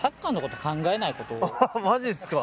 マジっすか。